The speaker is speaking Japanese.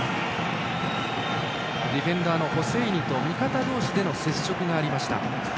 ディフェンダーのホセイニと味方同士の接触がありました。